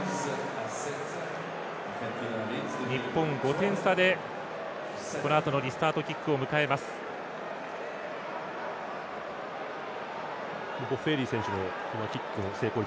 日本、５点差でこのあとのリスタートキックをボッフェーリ選手のキックの成功率